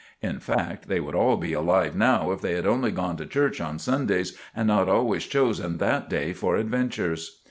In fact, they would all be alive now if they had only gone to church on Sundays and not always chosen that day for adventures.